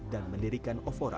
dan mendirikan ofora